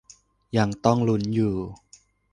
ยังต้องลุ้นอยู่